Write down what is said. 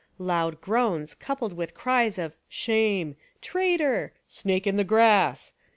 Loud groans, coupled with cries of "Shame 1 Traitor! Snake in the grass!"